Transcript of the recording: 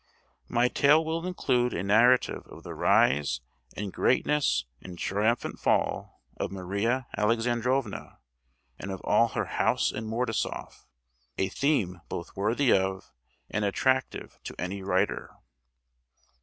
My tale will include a narrative of the Rise and Greatness and Triumphant Fall of Maria Alexandrovna, and of all her House in Mordasoff, a theme both worthy of, and attractive to any writer!